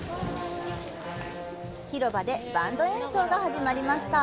広場でバンド演奏が始まりました。